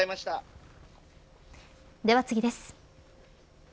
では次です。